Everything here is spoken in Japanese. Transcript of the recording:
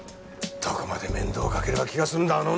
どこまで面倒かければ気が済むんだ